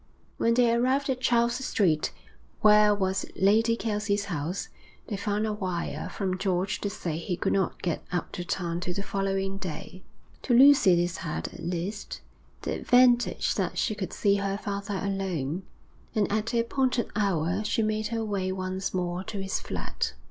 When they arrived at Charles Street, where was Lady Kelsey's house, they found a wire from George to say he could not get up to town till the following day. To Lucy this had, at least, the advantage that she could see her father alone, and at the appointed hour she made her way once more to his flat.